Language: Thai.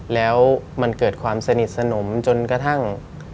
แล้วมันเกิดความสนิทสนมจนกระทั่ง